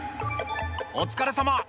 お疲れさま。